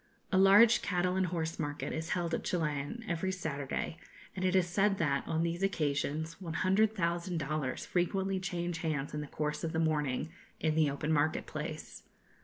A large cattle and horse market is held at Chilian every Saturday, and it is said that, on these occasions, 100,000 dollars frequently change hands in the course of the morning, in the open market place.